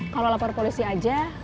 kalau laporan polisi aja